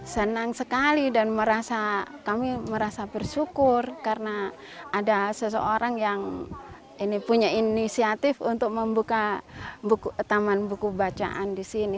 senang sekali dan kami merasa bersyukur karena ada seseorang yang punya inisiatif untuk membuka taman buku bacaan di sini